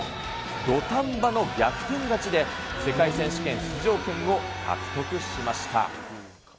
土壇場の逆転勝ちで、世界選手権出場権を獲得しました。